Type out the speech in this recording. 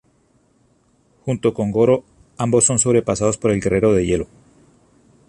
Junto con Goro, ambos son sobrepasados por el guerrero de hielo.